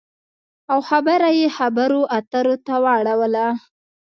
او خبره یې خبرو اترو ته واړوله